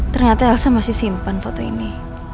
ternyata elsa masih simpan foto ini